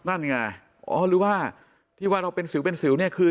นั่นไงอ๋อหรือว่าที่ว่าเราเป็นสิวเป็นสิวเนี่ยคือ